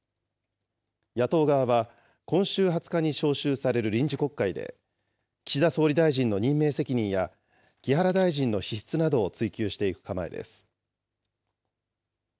野党側は、今週２０日に召集される臨時国会で、岸田総理大臣の任命責任や、木原大臣の資質などを追及していく構えです。